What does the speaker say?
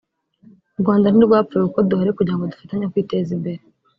« U Rwanda ntirwapfuye kuko duhari kugira ngo dufatanye kwiteza imbere